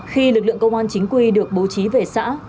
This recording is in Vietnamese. khi lực lượng công an chính quy được bố trí về xã